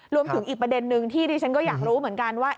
อีกประเด็นนึงที่ดิฉันก็อยากรู้เหมือนกันว่า